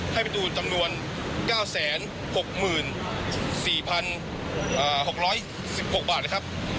ให้พี่ตูนจำนวน๙๐๐๖๔๖๑๖บาทได้ครับ